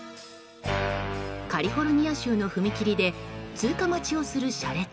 カリフォルニア州の踏切で通過待ちをする車列。